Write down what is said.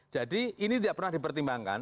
jadi ini tidak pernah dipertimbangkan